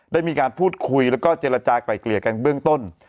ได้มีการพูดคุยแล้วก็เจรจากลายเกลี่ยกันเบื้องต้น